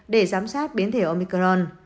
để giám sát biến thể omicron